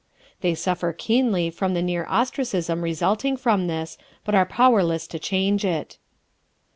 They suffer keenly from the near ostracism resulting from this, but are powerless to change it.